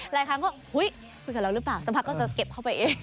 หลายครั้งก็คุยกับเราหรือเปล่าสักพักก็จะเก็บเข้าไปเอง